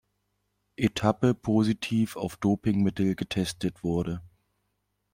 Etappe positiv auf Dopingmittel getestet wurde.